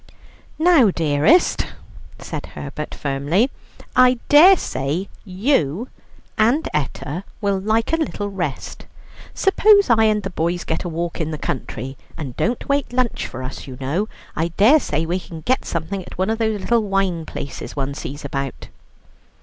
"Now, dearest," said Herbert firmly, "I dare say you and Etta will like a little rest. Suppose I and the boys get a walk in the country; and don't wait lunch for us, you know. I dare say we can get something at one of those little wine places one sees about."